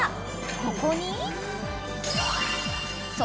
［ここに］